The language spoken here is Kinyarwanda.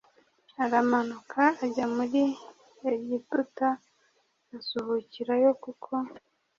aramanuka ajya muri Egiputa asuhukirayo kuko